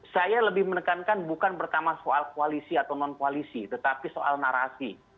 saya lebih menekankan bukan pertama soal koalisi atau non koalisi tetapi soal narasi